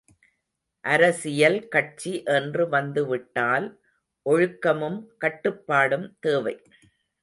அரசியல் கட்சி என்று வந்து விட்டால் ஒழுக்கமும் கட்டுப்பாடும் தேவை.